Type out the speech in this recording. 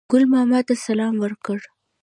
ګل ماما ته سلام ورکړ.